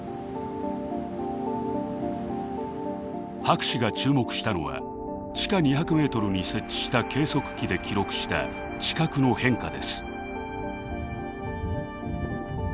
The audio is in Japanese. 博士が注目したのは地下２００メートルに設置した計測器で記録した地殻の変化です。